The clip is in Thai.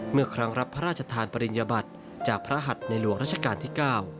เมื่อครั้งรับพระราชทานปริญญบัติจากพระหัดในหลวงราชการที่๙